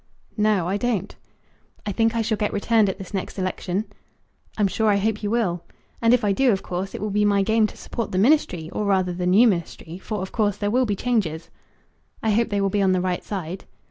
"No; I don't." "I think I shall get returned at this next election." "I'm sure I hope you will." "And if I do, of course it will be my game to support the ministry; or rather the new ministry; for of course there will be changes." "I hope they will be on the right side."